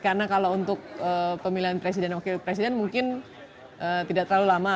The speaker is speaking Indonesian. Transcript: karena kalau untuk pemilihan presiden wakil presiden mungkin tidak terlalu lama